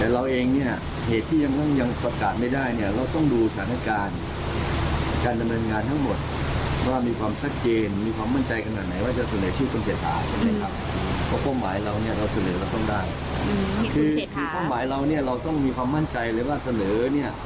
เราเสร็จแล้วต้องได้คือความหมายเราเนี่ยเราต้องมีความมั่นใจเลยว่าเสร็จเนี่ย